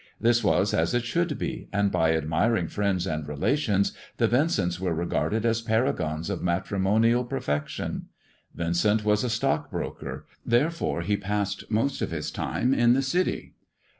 This was as it should be, and by admiring friends and relations the Vincents were regarded as paragons of matrimonial pe^ fection. Vincent was a stockbroker ; therefore he passed most of his time in the City.